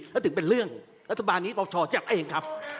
แล้วถึงเป็นเรื่องรัฐบาลนี้ปชจับเองครับ